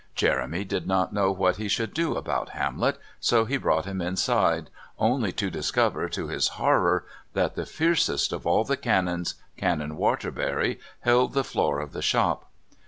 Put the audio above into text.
Jeremy did not know what he should do about Hamlet, so he brought him inside, only to discover to his horror that the fiercest of all the Canons, Canon Waterbury, held the floor of the shop.